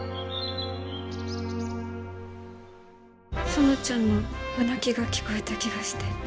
園ちゃんの夜泣きが聞こえた気がして。